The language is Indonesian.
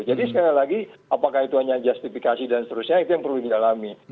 jadi sekali lagi apakah itu hanya justifikasi dan seterusnya itu yang perlu didalami